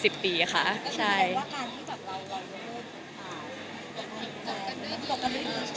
ก็คิดว่าการที่กับเราก่อนเริ่มรู้จักกันด้วยดี